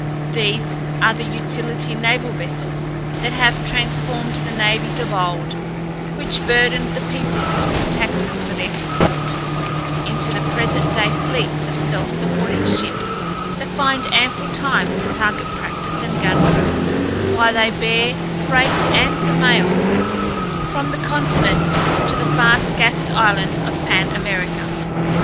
These are the utility naval vessels that have transformed the navies of old, which burdened the peoples with taxes for their support, into the present day fleets of self supporting ships that find ample time for target practice and gun drill while they bear freight and the mails from the continents to the far scattered island of Pan America.